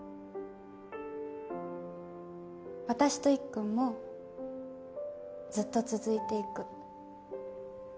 私といっくんもずっと続いていく。